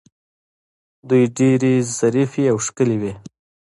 دوی ډیرې ظریفې او ښکلې وې